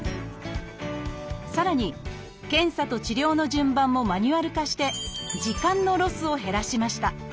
さらに検査と治療の順番もマニュアル化して時間のロスを減らしました。